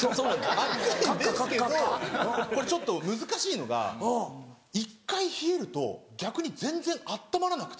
暑いんですけどこれちょっと難しいのが１回冷えると逆に全然温まらなくて。